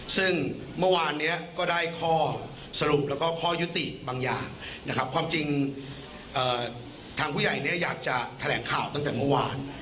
ซึ่งเมื่อวานนี้ก็ได้ข้อสรุปแล้วก็ข้อยุติบางอย่างนะครับความจริงทางผู้ใหญ่เนี่ยอยากจะแถลงข่าวตั้งแต่เมื่อวาน